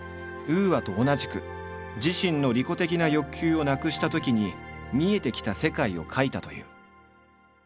ＵＡと同じく自身の利己的な欲求をなくしたときに見えてきた世界を書いたという。